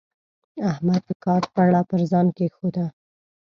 احمد د کار پړه پر ځان کېښوده.